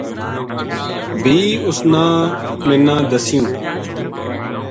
بھی اس نا منا دسیوں